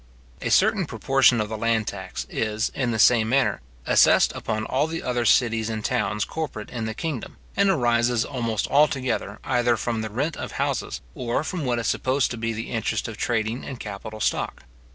A certain proportion of the land tax is, in the same manner, assessed upon all the other cities and towns corporate in the kingdom; and arises almost altogether, either from the rent of houses, or from what is supposed to be the interest of trading and capital stock.